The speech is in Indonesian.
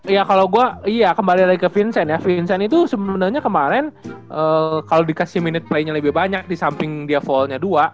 iya kalo gue iya kembali lagi ke vincent ya vincent itu sebenernya kemarin kalo dikasih minute play nya lebih banyak disamping dia falling nya dua